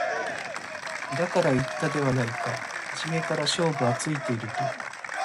だから言ったではないか初めから勝負はついていると